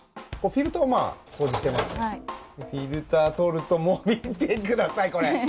フィルターを取ると見てくださいこれ。